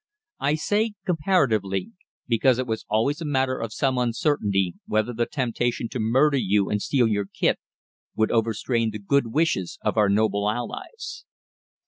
I say "comparatively," because it was always a matter of some uncertainty whether the temptation to murder you and steal your kit would overstrain the good wishes of our noble allies.